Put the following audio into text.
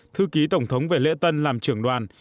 thư ký tổng thống về lễ tân làm trưởng đoàn